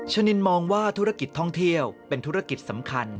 ชนินมองว่าธุรกิจท่องเที่ยวเป็นธุรกิจสำคัญ